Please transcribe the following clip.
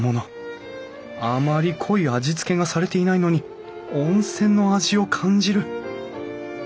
あまり濃い味付けがされていないのに温泉の味を感じる。